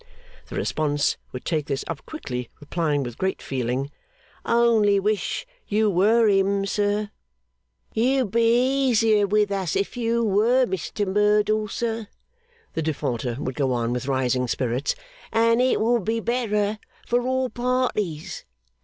The response would take this up quickly; replying with great feeling, 'Only wish you were him, sir.' 'You'd be easier with us if you were Mr Merdle, sir,' the Defaulter would go on with rising spirits, 'and it would be better for all parties.